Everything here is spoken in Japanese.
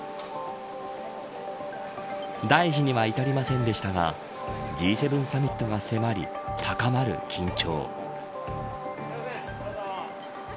大事には至りませんでしたがＧ７サミットが迫り高まる緊張。